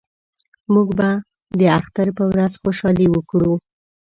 موږ به د اختر په ورځ خوشحالي وکړو